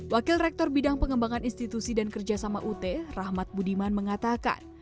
wakil rektor bidang pengembangan institusi dan kerjasama ut rahmat budiman mengatakan